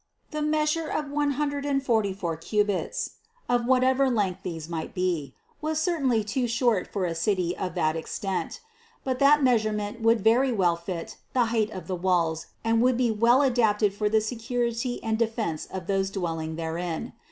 The meas ure of one hundred and forty four cubits (of whatever length these might be) , was certainly too short for a city of that extent; but that measurement would very well fit the height of the walls and would be well adapted for the security and defense of those dwelling therein.